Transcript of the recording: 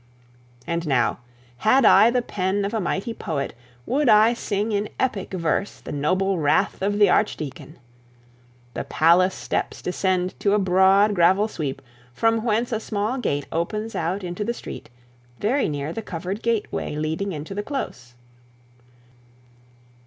And now, had I the pen of a might poet, would I sing in epic verse the noble wrath of the archdeacon. The palace steps descend to a broad gravel sweep, from whence a small gate opens out into the street, very near the covered gateway leading to the close.